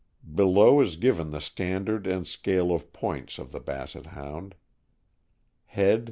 Below is given the standard and scale of points of the Basset Hound : Value.